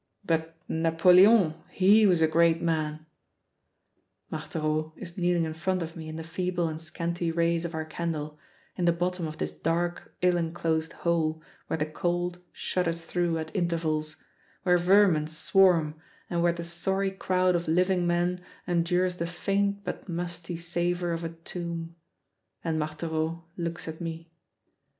But Napoleon, he was a great man!" Marthereau is kneeling in front of me in the feeble and scanty rays of our candle, in the bottom of this dark ill enclosed hole where the cold shudders through at intervals, where vermin swarm and where the sorry crowd of living men endures the faint but musty savor of a tomb; and Marthereau looks at me.